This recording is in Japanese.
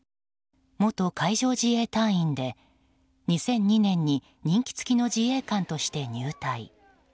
元海上自衛隊員で２００２年に任期付きの自衛官として入隊。